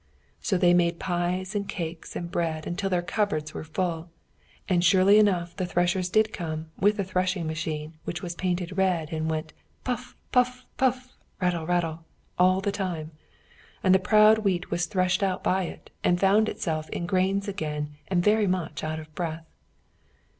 So they made pies and cakes and bread until their cupboards were full; and surely enough the threshers did come with the threshing machine, which was painted red, and went "Puff! puff! puff! rattle! rattle!" all the time. And the proud wheat was threshed out by it, and found itself in grains again and very much out of breath.